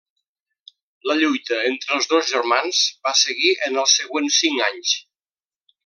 La lluita entre els dos germans va seguir en els següents cinc anys.